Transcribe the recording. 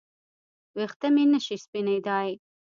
ویښته مې نشي سپینېدای